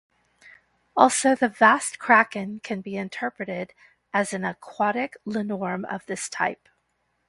Also the vast kraken can be interpreted as an aquatic linnorm of this type.